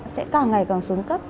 sẽ càng ngày càng xuống cấp